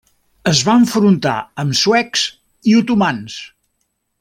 Es va enfrontar amb suecs i otomans.